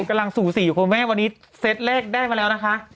กำลังสูสีอยู่คุณแม่วันนี้เซตแรกได้มาแล้วนะคะ